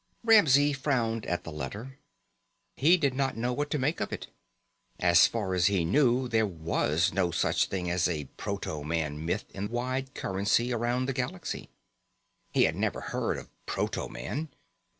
_ Ramsey frowned at the letter. He did not know what to make of it. As far as he knew, there was no such thing as a proto man myth in wide currency around the galaxy. He had never heard of proto man.